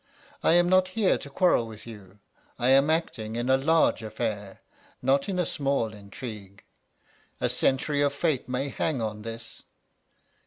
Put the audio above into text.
I am not here to quarrel with you. I am acting in a large affair, not in a small intrigue; a century of fate may hang on this.